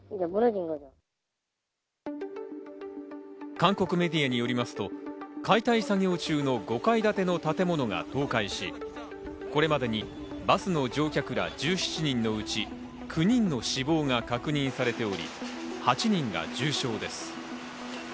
韓国メディアによりますと、解体作業中の５階建ての建物が倒壊し、これまでにバスの乗客ら１７人のうち、９人の死亡が確認されており、８人が重傷です。